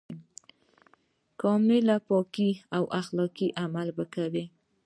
کاملاً پاک او اخلاقي عمل به کوي.